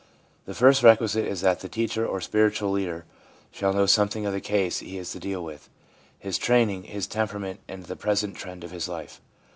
The first requisite is that the teacher or spiritual leader shall know something of the case he is to deal with — his training, his temperament, and the present trend of his life.